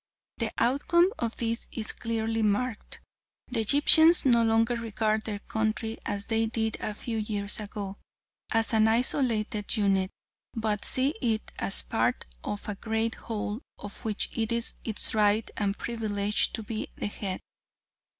The outcome of this is clearly marked. The Egyptians no longer regard their country as they did a few years ago, as an isolated unit, but see it as part of a great whole of which it is its right and privilege to be the head.